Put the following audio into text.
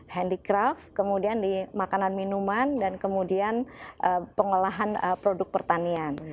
handicraft kemudian di makanan minuman dan kemudian pengolahan produk pertanian